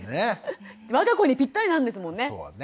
我が子にぴったりなんですもんね。